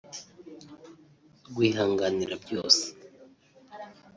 rwihanganira byose